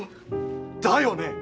だよね！